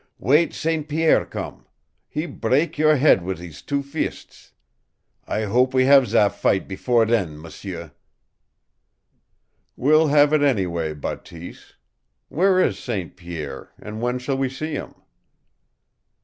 Wait St. Pierre come! He brak yo'r head wit' hees two fists. I hope we have ze fight before then, m'sieu!" "We'll have it anyway, Bateese. Where is St. Pierre, and when shall we see him?"